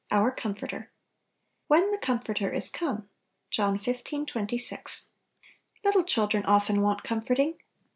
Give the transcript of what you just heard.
OUR COMFORTER. " When the Comforter is come." — John zt. 26. LITTLE children often want com forting.